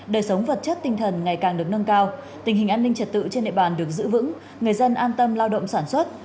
đời sống vật chất tinh thần ngày càng được nâng cao tình hình an ninh trật tự trên địa bàn được giữ vững người dân an tâm lao động sản xuất